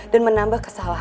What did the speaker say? dan menambah kesalahan kamu ya